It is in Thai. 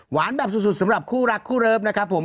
แบบสุดสำหรับคู่รักคู่เริฟนะครับผม